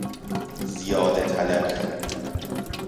زیاده طلبی